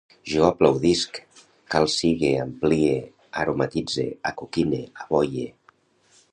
Jo aplaudisc, calcigue, amplie, aromatitze, acoquine, aboie